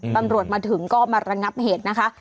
ตำรวจมาถึงก็มาระงับเหตุนะคะ